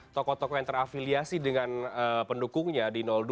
toko toko yang terafiliasi dengan pendukungnya di dua